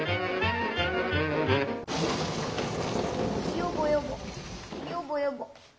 「よぼよぼよぼよぼ。